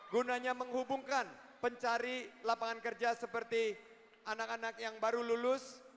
gunanya menghubungkan pencari lapangan kerja seperti anak anak yang baru lulus